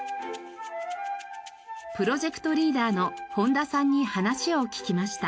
プロジェクトリーダーの本多さんに話を聞きました。